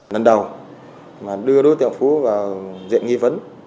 lần đầu đưa đối tượng phú vào diện nghi vấn